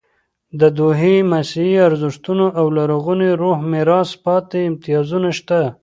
د دوی مسیحي ارزښتونه او د لرغوني روم میراث پاتې امتیازونه شته.